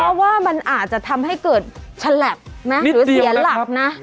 เพราะว่ามันอาจจะทำให้เกิดฉลับนะหรือเสียหลักนะ